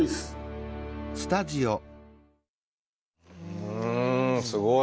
うんすごい。